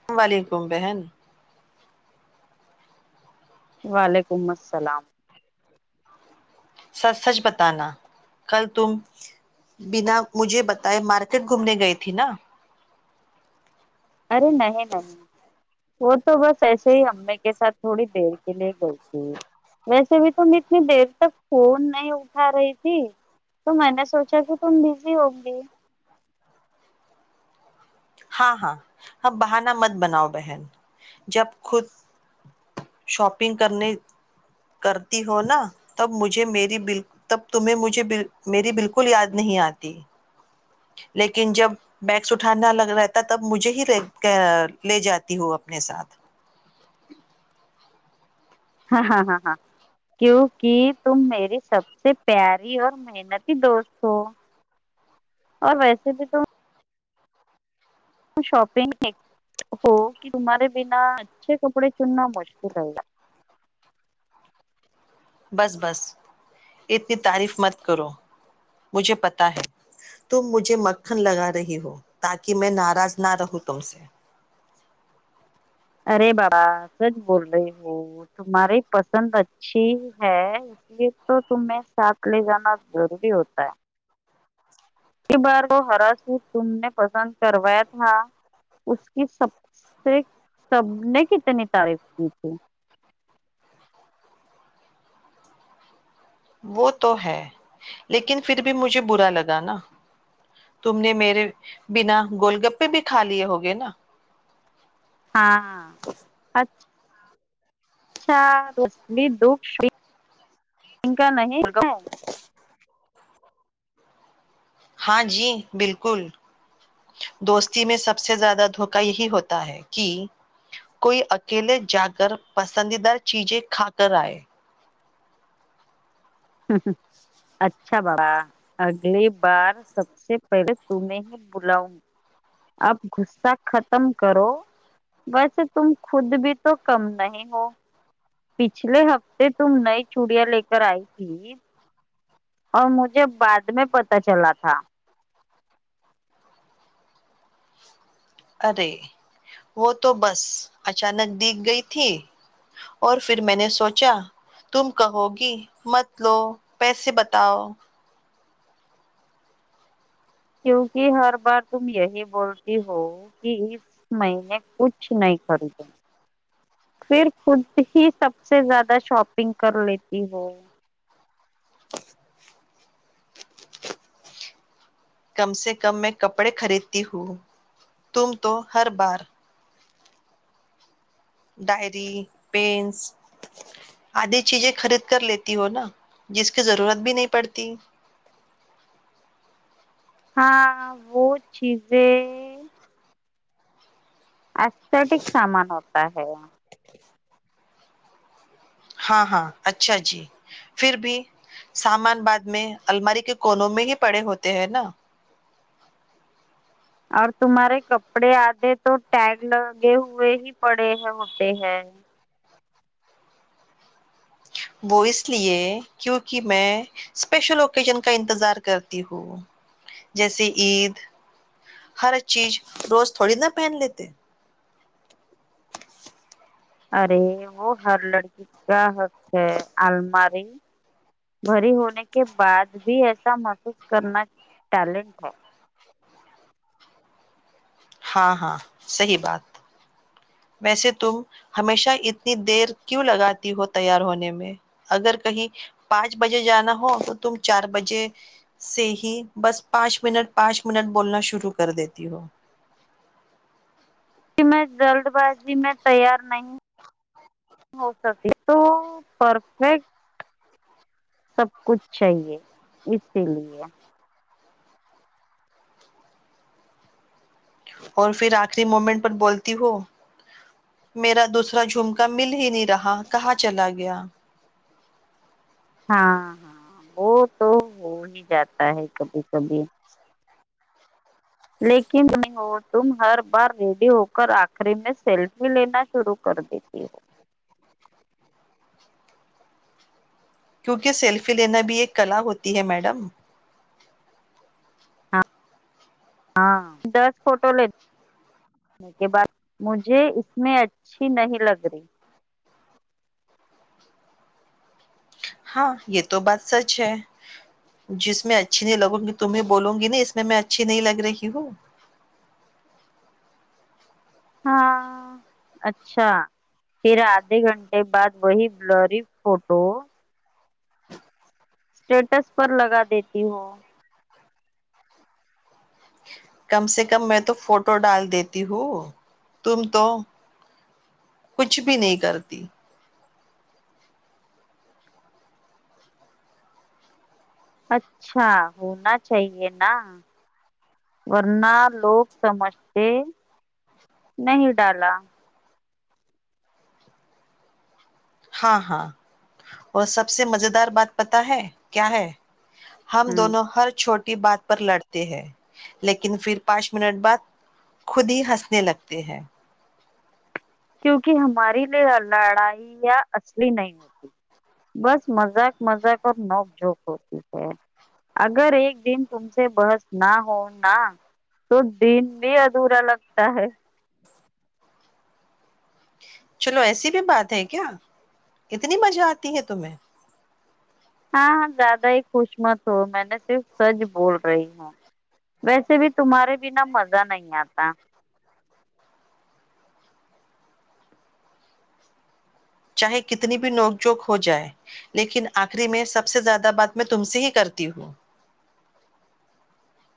السلام علیکم بہن وعلیکم السلام سچ سچ بتانا کل تم بنا مجھے بتائے مارکیٹ گھومنے گئے تھی نا ارے نہیں نہیں وہ تو بس ایسے ہی امی کے ساتھ تھوڑی دیر کے لیے گئی تھی ویسے بھی تم اتنی دیر تک فون نہیں اٹھا رہی تھی تو میں نے سوچا کہ تم بزی ہو گی ہاں ہاں اب بہانا مت بناؤ بہن جب خود شاپنگ کرنے کرتی ہو نا تب مجھے م ب تب تمیں مجھے میری بالکل یاد نہیں آتی لیکن جب بیگس اٹھانا لگ رہتا تب مجھے ہی لے جاتی ہوں اپنے ساتھ ہاں ہاں ہاں ہاں کیوںک تم میری سب سے پیاری اور محنتی دوست ہو اور ویسے بھی تم ت شاپنگ ایک ہو کہ تمہارے بنا اچھے کپڑے چننا مشکل رہے گا بس بس اتنی تعریف مت کرو مجھے پتا ہے تم مجھے مکھن لگا رہی ہو تاکہ میں ناراض نہ رہوں تم سے ارے باڑا سچ بول رہی ہو تمہاری پسند اچھی ہے اس لیے تو تمیں ساتھ لے جانا ضروری ہوتا ہے بار وہ ہرا س تم نے پسند کروایا تھا اس کی سب سے سب نے کتنی تعریف کی تھی وہ تو ہے لیکن پھر بھی مجھے برا لگا نا تم نے میرے بنا گول گپے بھی کھا لیے ہوگے نا ہاں اچھ ار دکا نہیں [inaudible] ہاں جی بالکل دوستی میں سب سے زیادہ دھوکا یہی ہوتا ہے کہ کوئی اکیلے جا کر پسندیدہ چیزیں کھا کر آئے ہ ہ اچھا اچھا بڑا اگلی بار سب سے پہلے تمہیں ہی بلاؤں اب غصہ ختم کرو ویسے تم خود بھی تو کم نہیں ہو پچھلے ہفتے تم نئی چوڑیاں لے کر آئی تھی اور مجھے بعد میں پت چلا تھا ارے وہ تو بس اچانک دکھ گئی تھی اور پھر میں نے سوچا تم کہو گی مت لو پیسے بتاؤ کیونکہ ہر بار تم یہی بولتی ہو کہ اس مہینے کچھ نہیں خریدیں پھر خود ہی سب سے زیادہ شاپنگ کر لیتی ہو کم سے کم میں کپڑے خریدتی ہوں تم تو ہر بار ڈائری پینس آدی چیزیں خرید کر لیتی ہو نا جس کی ضرورت بھی نہیں پڑتی ہاں وہ چیزیں اچ [inaudible] سٹیک سامان ہوتا ہے ہاں ہاں اچھا جی پھر بھی سامان باد میں الماری کے کونوں میں ہی پڑے ہوتے ہیں نا اور تمہارے کپڑے آدھے تو ٹگ لگے ہوئے ہی پڑے ہوتے ہیں وہ اس لیے کیونکہ میں اسپیشل اوکیجن کا انتظار کرتی ہوں جیسے عید ہر چیز روز تھوڑی نہ پہن لیتے ارے وہ ہر لڑکی کا حق ہے الماری بھری ہونے کے بعد بھی ایسا محسوس کرنا ٹیلنٹ ہے ہاں ہاں صحی بات ویسے تم ہمیشہ اتنی دیر کیوں لگاتی ہو تیار ہونے میں اگر کہیں پانچ بجے جانا ہو تو تم چار بجے سے ہی بس پانچ منٹ پانچ منٹ بولنا شروع کر دیتی ہو میں جلد بازی میں تیار نہیں ہو سک تو پرفیکٹ سب کچھ چاہیے اسی لیے اور پھر آخری مومنٹ پر بولتی ہو میرا دوسرا جھومکا مل ہی نہیں رہا کہاں چلا گیا ہاں ہاں وہ تو ہو ہی جاتا ہے کبھی کبھی لیکن اور تم ہر بار ریڈی ہوک آخری میں سیلفی لینا شروع کر دیتی ہو کیونکہ سیلفی لینا بھی ایک کلا ہوتی ہے میڈم ہاں ہاں دس فوٹو ل کے بعد مجھے اس میں اچھی نہیں لگ رہی ہاں یہ تو بات سچ ہے جس میں اچھی نہیں لگوں گی تمیں بولوں گی نا اس میں میں اچھی نہیں لگ رہی ہوں ہاں اچھا پھر آدھے گھنٹے بعد وہی بلری فوٹو اسٹیٹس پر لگا دیتی ہوں کم سے کم میں تو فوٹو ڈال دیتی ہوں تم تو کچھ بھی نہیں کرتی اچھا ہونا چاہے نا ورنہ لوگ سمجھتے نہیں ڈالا ہاں ہاں اور سب سے مز دار بات پتا ہے کیا ہے ہم ہ دونوں ہر چھوٹے بات پر لڑتے ہیں لیکن پھر پانچ منٹ بعد خود ہی ہنسنے لگتے ہیں کیونکہ ہمارے لیے لڑائی یا اصلی نہیں ہوتی بس مذاق مذاق اور نوک جھوک ہوتی ہے اگر ایک دن تم سے بحس نہ ہونا تو دن بھی ادھورا لگتا ہے چلو ایسی بھی بات ہے کیا اتنی مزہ آتی ہے تمہیں ہاں ہاں زیادہ ہی خوش مت ہو میں نے صرف سج بول رہی ہوں ویسے بھی تمہارے بنا مزہ نہیں آتا چاہے کتنی بھی نوک جوک ہو جائے لیکن آخری میں سب سے زیادہ بات میں تم سے ہی کرتی ہوں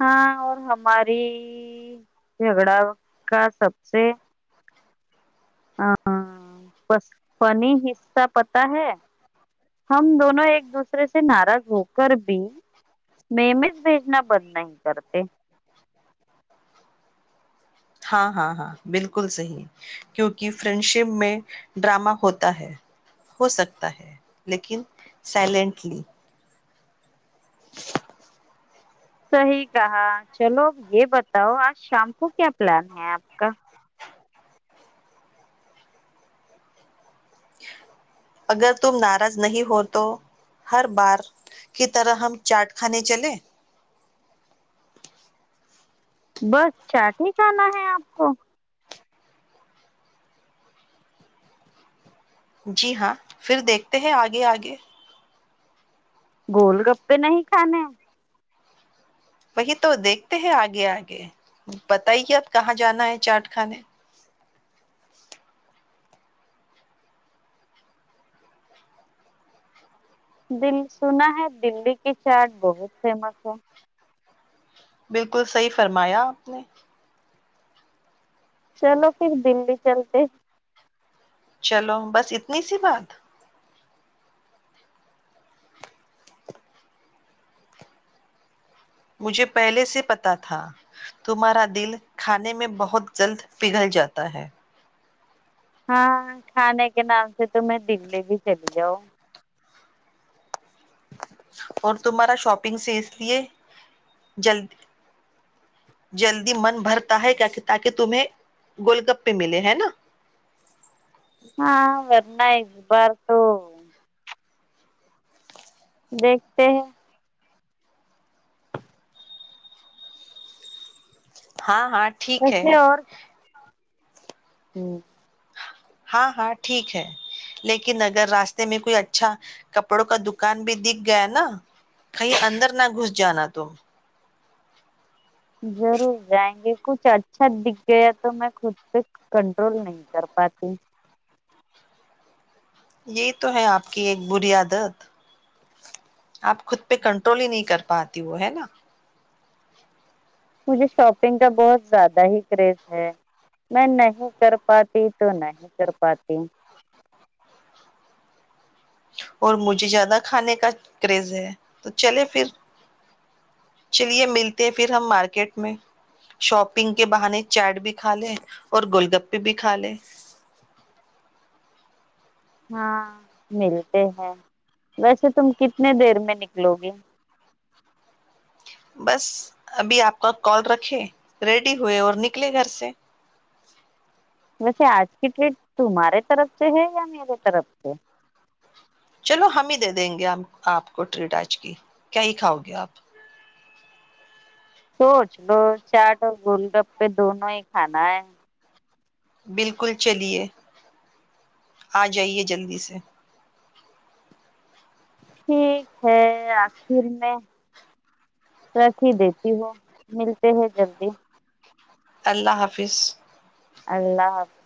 ہاں اور ہماری جھگڑا کا سب سے ہ فنی حصہ پت ہے ہم دونوں ایک دوسرے سے ناراض ہو کر بھی م میںز بھیجنا بند نہیں کرتے ہاں ہاں ہاں بالکل صحیح کیونکہ فرینڈ شپ میں ڈرامہ ہوتا ہے ہو سکتا ہے لیکن سائلینٹلی صحی کہا چلو یہ بتاؤ آج شام کو کیا پلان ہے آپ کا اگر تم ناراض نہیں ہو تو ہر بار کی طرح ہم چاٹ کھانے چلیں بس چاٹ ہی کاننا ہے آپ کو جی ہاں پھر دیکھتے ہیں آگے آگے گول گپے نہیں کھانے وہی تو دیکھتے ہیں آگے آگے پت ہی اب کہاں جانا ہے چاٹ خانے دل سنا ہے دلی کی چاٹ بہت فیمس ہے بالکل صحیح فرمایا آپ نے چلو پھر دنلی چلتے چلو بس اتنی سی بات مجھے پہلے سے پتا تھا تمہارا دل کھانے میں بہت جلد پگھل جاتا ہے ہاں کھانے کے نام سے تو میں دلی بھی چلی جاؤں اور تمہارا شاپنگ سے اس لیے جلدی من بھرتا ہے تاکہ تمہیں گول گپ پہ ملے ہے نا ہاں ن بر تو دیکھتے ہیں [inaudible] ہاں ہاں ٹھیک ہے ہوں ہاں ہاں ٹھیک ہے لیکن اگر راستے میں کوئی اچھا کپڑوں کا دکان بھی دکھ گیا نا کہیں اندر نہ گھس جانا تم ضرور جائیں گے کچھ اچھا دکھ گیا تو میں خود پہ کنٹرول نہیں کر پاتی یہ تو ہے آپ کی ایک بری عدت آپ خود پہ کنٹرول ہی نہیں کر پاتی وہ ہے نا مجھے شاپنگ کا بہت زیادہ ہی کریز ہے میں نہیں کر پاتی تو نہیں کر پاتی اور مجھے زیادہ کھانے کا کریز ہے تو چلے پھر چلیے ملتے ہیں پھر ہم مارکیٹ میں شاپنگ کے بہانے چیٹ بھی کھا لے اور گول گپے بھی کھا لے ہاں ملتے ہیں ویسے تم کتنے دیر میں نکلو گے بس ابھی آپ کا کال رکھے ریڈی ہوئے اور نکلے گھر سے ویسے آج کی ڈیٹ تمہارے طرف سے ہے یا میرے طرف سے چلو ہم ہی دے دیں گے آپ کو ٹریٹ آچ کی کیا ہی کھاؤ گے آپ سوچ لو چاٹ اور گول گپے دونوں ہی کھانا ہے بالکل چلیے آ جائیے جلدی سے ہوں آخر میں رکھ ہی دیتی ہو ملتے ہیں جلدی اللہ حافظ اللہف [unintelligible]